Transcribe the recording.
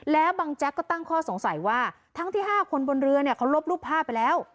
แล้วบางแจ๊กก็ตั้งข้อสงสัยว่าทั้งที่๕คนบนเรือเนี่ยเขาลบรูปภาพไปแล้ว